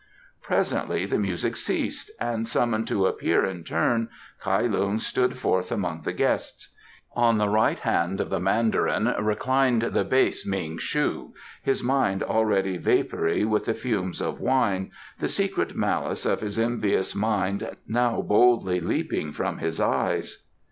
Presently the music ceased, and summoned to appear in turn, Kai Lung stood forth among the guests. On the right hand of the Mandarin reclined the base Ming shu, his mind already vapoury with the fumes of wine, the secret malice of his envious mind now boldly leaping from his eyes.